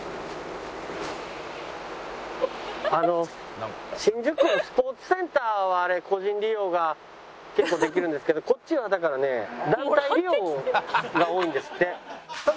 あの新宿スポーツセンターはあれ個人利用が結構できるんですけどこっちはだからね団体利用が多いんですって。